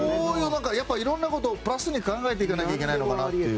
いろんなことをプラスに考えていかないといけないのかなと。